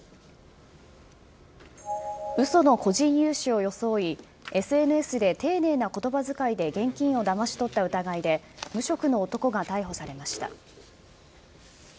嘘の個人融資を装いＳＮＳで丁寧な言葉遣いで現金をだまし取った疑いで無職の男が逮捕されました。